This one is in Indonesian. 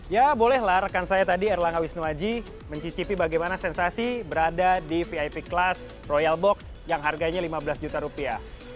ya bolehlah rekan saya tadi erlangga wisnuwaji mencicipi bagaimana sensasi berada di vip class royal box yang harganya lima belas juta rupiah